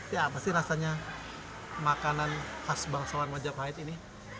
ya apa sih rasanya makanan khas bangsawan majapahit ini